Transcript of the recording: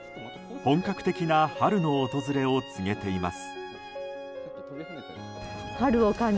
本格的な春の訪れを告げています。